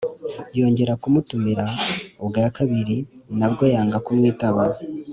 Yongera kumutumira ubwa kabiri na bwo yanga kumwitaba.